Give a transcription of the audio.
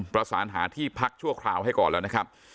ประสานหาที่พักชั่วคราวให้ก่อนแล้วนะครับ